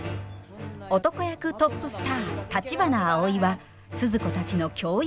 男役トップスター橘アオイは鈴子たちの教育係。